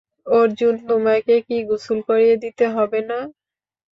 অর্জুন, তোমাকে কি গোসল করিয়ে দিতে হবে না?